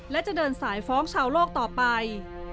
และจะเดินสายฟ้องชาวโลกต่อไป